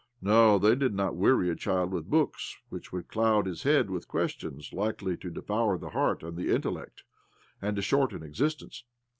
No, they did not weary a child with books which would cloud his head with questions likely to devour the heart and the intellect, and to shorten existence.